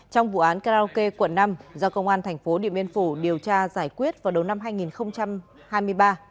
trong vụ án karaoke quận năm do công an thành phố điện biên phủ điều tra giải quyết vào đầu năm hai nghìn hai mươi ba